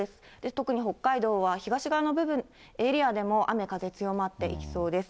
特に北海道は東側のエリアでも雨風、強まっていきそうです。